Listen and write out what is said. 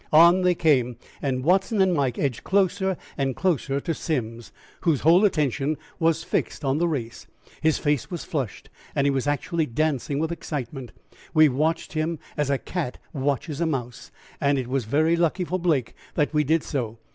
On they came, and Watson and Mike edged closer and closer to Simms, whose whole attention was fixed on the race. His face was flushed, and he was actually dancing with excitement. We watched him as a cat watches a mouse, and it was very lucky for Blake that we did so.